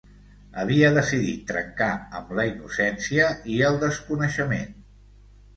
Havia decidit trencar amb la innocència i el desconeixement.